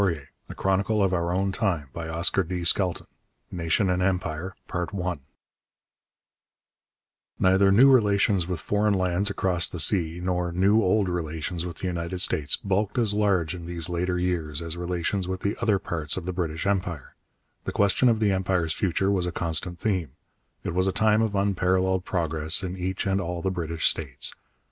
CHAPTER XIII NATION AND EMPIRE Imperial preferential trade Political relations Defence Neither new relations with foreign lands across the sea nor new old relations with the United States bulked as large in these later years as relations with the other parts of the British Empire. The question of the Empire's future was a constant theme. It was a time of unparalleled progress in each and all the British states.